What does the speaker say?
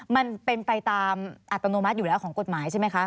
มันเป็นไปตามอัตโนมัติอยู่แล้วของกฎหมายใช่ไหมคะ